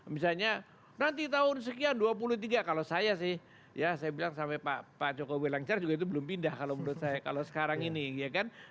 misalnya nanti tahun sekian dua puluh tiga kalau saya sih ya saya bilang sampai pak jokowi lancar juga itu belum pindah kalau menurut saya kalau sekarang ini ya kan